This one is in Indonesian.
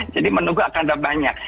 jadi menunggu akan terbanyak